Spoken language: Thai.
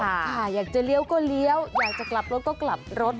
ค่ะอยากจะเลี้ยวก็เลี้ยวอยากจะกลับรถก็กลับรถ